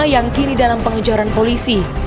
yang kini dalam pengejaran polisi